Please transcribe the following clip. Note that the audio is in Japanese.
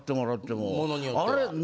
ものによっては。